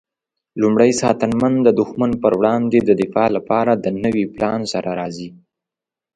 لومړی ساتنمن د دښمن پر وړاندې د دفاع لپاره د نوي پلان سره راځي.